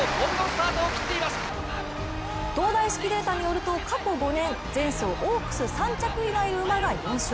東大式データによると過去５年前走オークス３着以内の馬が４勝。